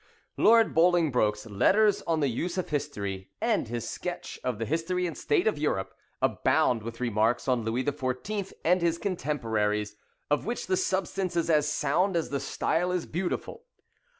Lord Bolingbroke's "Letters on the Use of History," and his "Sketch of the History and State of Europe," abound with remarks on Louis XIV. and his contemporaries, of which the substance is as sound as the style is beautiful.